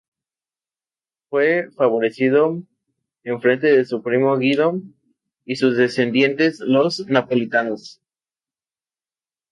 Fue favorecido en frente de su primo Guido y sus descendientes, los napolitanos.